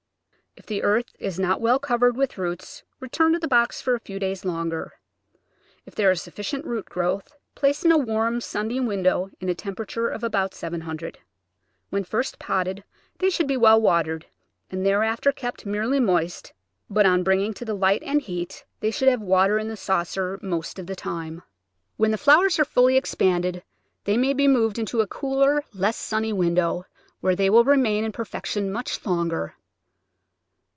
If the earth is not well covered with roots return to the box for a few days longer. If there is sufficient root growth place in a warm, sunny window in a temper ature of about 70 . When first potted they should be well watered, and thereafter kept merely moist, but on bringing to the light and heat they should have water in the saucer most of the time. When the flowers are fully expanded they may be moved into a cooler, less sunny window, where they will remain in perfection much longer.